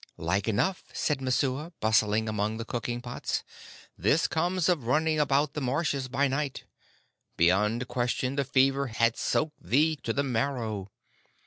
"Like enough," said Messua, bustling among the cooking pots. "This comes of running about the marshes by night. Beyond question, the fever has soaked thee to the marrow."